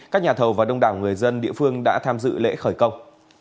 các nhà thầu và đông đảo người dân địa phương đã tham dự lễ khởi công